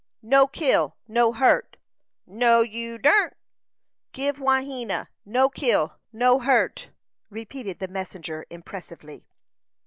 "No kill, no hurt." "No, yer don't!" "Give Wahena no kill, no hurt," repeated the messenger, impressively.